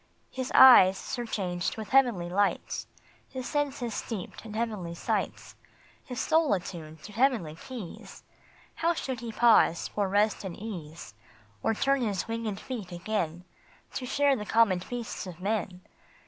His eyes surcharged with heavenly lights, His senses steeped in heavenly sights, His soul attuned to heavenly keys, How should he pause for rest and ease, Or turn his winged feet again, To share the common feasts of men